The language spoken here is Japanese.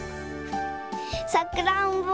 さくらんぼ。